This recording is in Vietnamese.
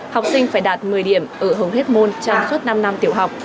học sinh phải đạt một mươi điểm ở hầu hết môn trong suốt năm năm tiểu học